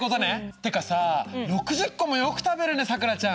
ってかさ６０個もよく食べるねさくらちゃん。